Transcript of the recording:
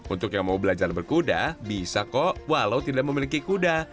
untuk yang mau belajar berkuda bisa kok walau tidak memiliki kuda